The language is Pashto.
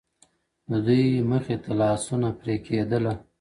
• د دوى مخي ته لاسونه پرې كېدله,